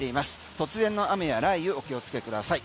突然の雨や雷雨お気をつけください。